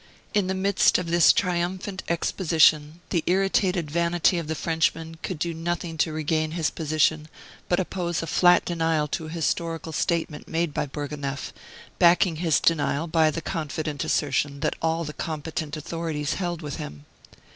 In the midst of this triumphant exposition the irritated vanity of the Frenchman could do nothing to regain his position but oppose a flat denial to a historical statement made by Bourgonef, backing his denial by the confident assertion that "all the competent authorities" held with him.